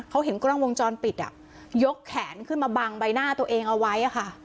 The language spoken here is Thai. เขาเห็นกล้องวงจรปิดอ่ะยกแขนขึ้นมาบังใบหน้าตัวเองเอาไว้ค่ะ